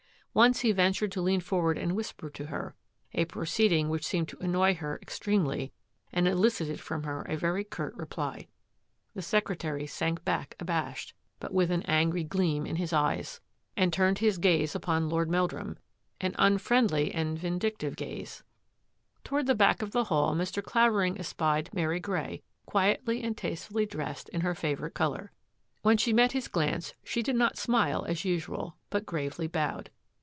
Once he ventured to lean for ward and whisper to her — a proceeding which seemed to annoy her extremely and elicited from her a very curt reply. The secretary sank back abashed, but with an angry gleam in his eyes, THRUST AND PARRY 178 and turned his gaze upon Lord Meldrum — an unfriendly and vindictive gaze. Toward the back of the hall Mr, Clavering espied Mary Grey, quietly and tastefully dressed in her favourite colour. When she met his glance she did not smile as usual, but gravely bowed.